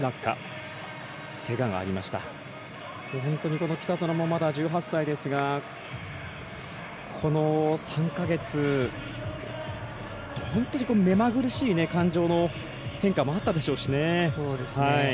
この北園もまだ１８歳ですがこの３か月本当にめまぐるしい感情の変化もあったでしょうしね。